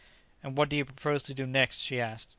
"And what do you propose to do next?" she asked.